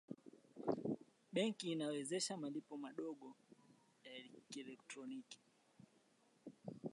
benki inawezesha malipo madogo ya kielektroniki